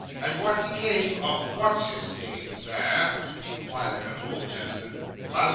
'And what became of what's his name, Sir?' inquired an old gentleman. 'Blazo?